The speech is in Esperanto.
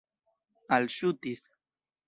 alŝutis